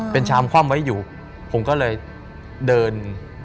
เป็นชามคว่ำไว้อยู่ผมก็เลยเดิน